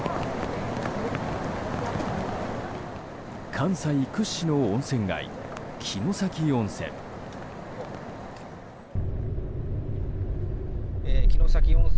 関西屈指の温泉街・城崎温泉。